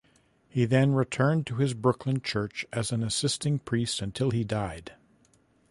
He then returned to his Brooklyn church as an assisting priest until he died.